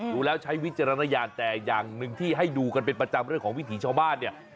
ดูแล้วใช้วิจารณญาณแต่อย่างหนึ่งที่ให้ดูกันเป็นประจำเรื่องของวิถีชาวบ้านเนี่ย